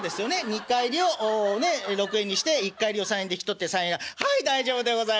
二荷入りを６円にして一荷入りを３円で引き取って３円はい大丈夫でございます。